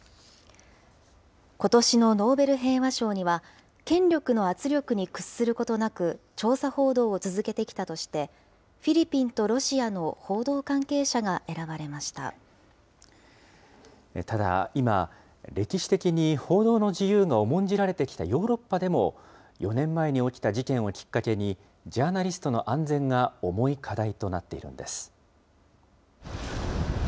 ことしのノーベル平和賞には、権力の圧力に屈することなく、調査報道を続けてきたとして、フィリピンとロシアの報道関係者がただ、今、歴史的に報道の自由が重んじられてきたヨーロッパでも、４年前に起きた事件をきっかけに、ジャーナリストの安全が重い課題となっているんです。